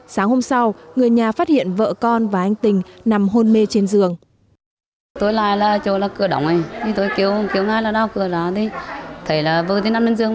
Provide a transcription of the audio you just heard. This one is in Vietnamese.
sáng hôm sau người nhà phát hiện vợ con và anh tình nằm hôn mê trên giường